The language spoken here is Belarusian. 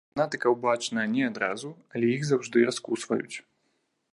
Фанатыкаў бачна не адразу, але іх заўжды раскусваюць.